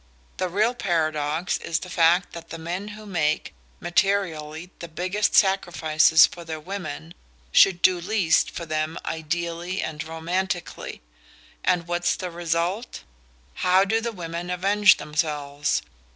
The real paradox is the fact that the men who make, materially, the biggest sacrifices for their women, should do least for them ideally and romantically. And what's the result how do the women avenge themselves?